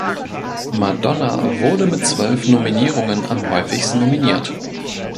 Madonna wurde mit zwölf Nominierungen am häufigsten nominiert.